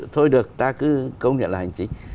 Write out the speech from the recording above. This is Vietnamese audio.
thôi được ta cứ công nhận là hành chính